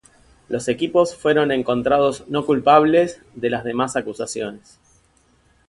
Los equipos fueron encontrados no culpables de las demás acusaciones.